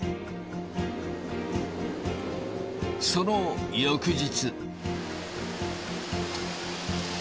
その翌日。